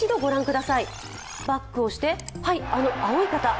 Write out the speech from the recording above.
バックをして、はい、あの青い方。